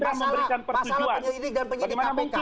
masalah penyelidik dan penyelidik kpk